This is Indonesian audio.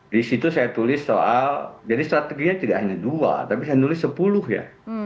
di situ saya tulis soal jadi strateginya tidak hanya dua tapi saya nulis sepuluh ya